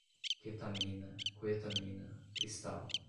ketamina, quetamina, cristal